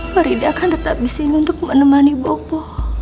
farida akan tetap disini untuk menemani boko